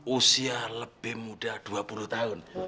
usia lebih muda dua puluh tahun